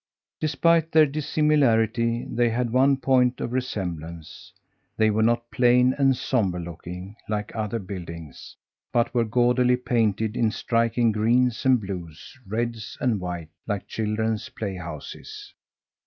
Despite their dissimilarity, they had one point of resemblance they were not plain and sombre looking, like other buildings, but were gaudily painted in striking greens and blues, reds and white, like children's playhouses.